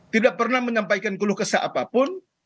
tidak pernah menyampaikan keluh kesah apapun